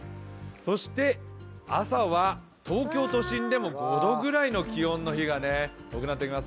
そして、朝は東京都心でも５度ぐらいの気温の日が多くなってきます。